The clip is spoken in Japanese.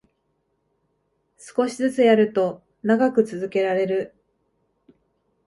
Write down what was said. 少しずつやると長く続けられる